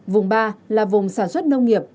vùng ba là vùng sản xuất nông nghiệp